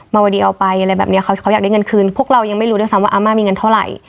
วดีเอาไปอะไรแบบเนี้ยเขาอยากได้เงินคืนพวกเรายังไม่รู้ด้วยซ้ำว่าอาม่ามีเงินเท่าไหร่